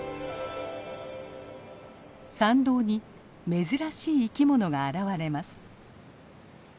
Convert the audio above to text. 参道に珍しい生き物が現れます。